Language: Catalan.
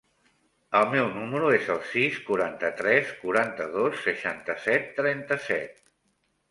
El meu número es el sis, quaranta-tres, quaranta-dos, seixanta-set, trenta-set.